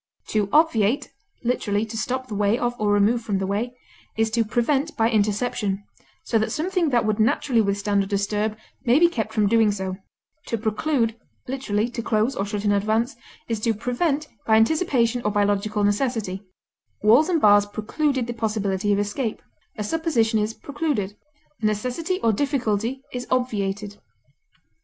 To obviate (literally, to stop the way of or remove from the way), is to prevent by interception, so that something that would naturally withstand or disturb may be kept from doing so; to preclude, (literally, to close or shut in advance) is to prevent by anticipation or by logical necessity; walls and bars precluded the possibility of escape; a supposition is precluded; a necessity or difficulty is obviated.